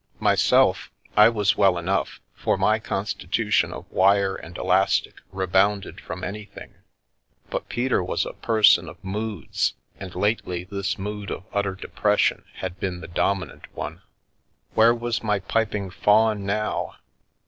Myself, I was well enough, for my constitution of wire and elastic re bounded from anything, but Peter was a person of moods, and lately this mood of utter depression had been the dominant one. Where was my piping Faun now?